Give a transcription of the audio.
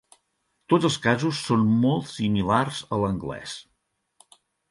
Tots els casos són molt similars a l'anglès.